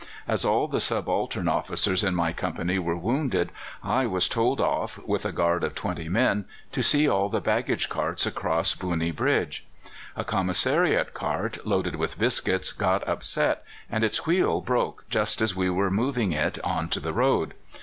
As all the subaltern officers in my company were wounded I was told off, with a guard of twenty men, to see all the baggage carts across Bunnee Bridge. A commissariat cart, loaded with biscuits, got upset, and its wheel broke just as we were moving it on to the road.